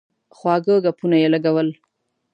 خواږه ګپونه یې لګول.